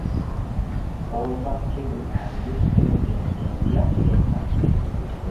Ovakedo alimu ssente empya ne nkadde.